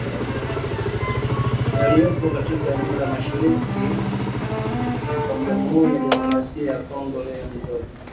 yaliyopo katika eneo la mashariki mwa Jamuhuri ya Demokrasia ya Kongo lenye mzozo